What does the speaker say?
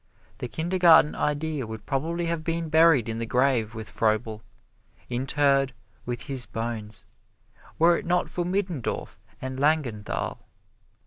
The Kindergarten Idea would probably have been buried in the grave with Froebel interred with his bones were it not for Middendorf and Langenthal.